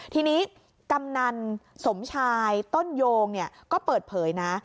ทีนี้กำนันสมชายต้นโยงก็เปิดเผยนะ